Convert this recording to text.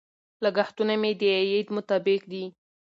لګښتونه مې د عاید مطابق دي.